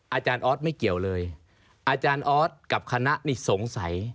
อาจารย์ออสไม่เกี่ยวเลยอาจารย์ออสกับคณะนี่สงสัย